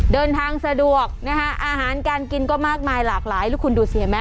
เดินทางสะดวกนะฮะอาหารการกินก็มากมายหลากหลายแล้วคุณดูสิเห็นไหม